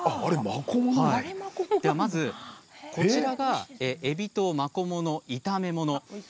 まず、こちらがえびとマコモの炒め物。